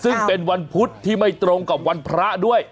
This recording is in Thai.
ซึ่งเป็นวันพุธที่ไม่ตรงกับวันพระด้วย